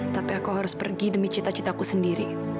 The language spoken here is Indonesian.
tapi aku harus pergi demi cita citaku sendiri